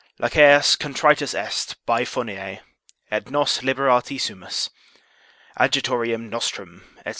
Laqueus contritus est, by Fourniller, et nos liberati sumus. Adjutorium nostrum, &c.